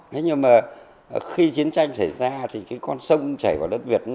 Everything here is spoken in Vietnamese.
thế nhưng mà khi chiến tranh xảy ra thì cái con sông chảy vào đất việt